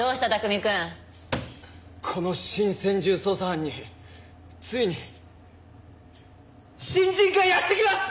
この新専従捜査班についに新人がやって来ます！